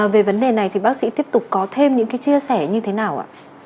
về vấn đề này thì bác sĩ tiếp tục có thêm những cái chia sẻ như thế nào ạ